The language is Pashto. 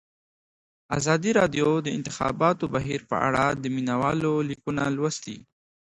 ازادي راډیو د د انتخاباتو بهیر په اړه د مینه والو لیکونه لوستي.